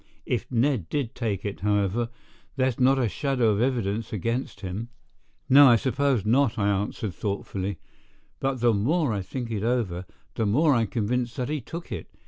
If Ned did take it, however, there's not a shadow of evidence against him." "No, I suppose not," I answered thoughtfully, "but the more I think it over, the more I'm convinced that he took it.